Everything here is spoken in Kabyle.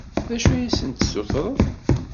D acu i asen-d-tessutreḍ?